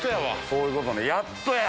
そういうことねやっとや。